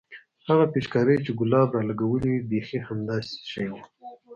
هغه پيچکارۍ چې ګلاب رالګولې وه بيخي همدا شى وه.